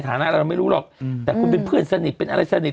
ฐานะเราไม่รู้หรอกแต่คุณเป็นเพื่อนสนิทเป็นอะไรสนิท